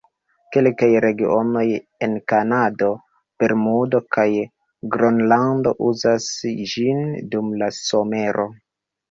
Kelkaj regionoj en Kanado, Bermudo kaj Gronlando uzas ĝin dum la somero.